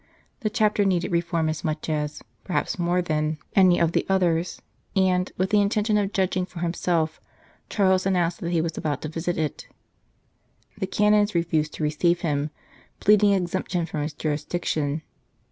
The Chapter needed reform as much as, perhaps more than, any of the others, and, with the intention of judging for himself, Charles announced that he was about to visit it. The Canons refused to receive him, pleading exemption from his jurisdiction.